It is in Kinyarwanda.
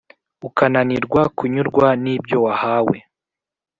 Ukananirwa kunyurwa n'ibyo wahawe